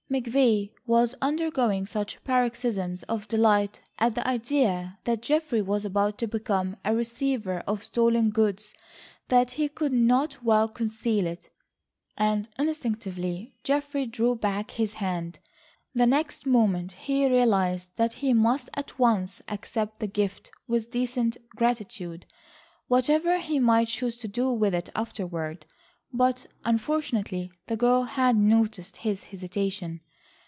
McVay was undergoing such paroxysms of delight at the idea that Geoffrey was about to become a receiver of stolen goods that he could not well conceal it. And instinctively Geoffrey drew back his hand. The next moment he realised that he must at once accept the gift with decent gratitude, whatever he might choose to do with it afterward, but unfortunately the girl had noticed his hesitation.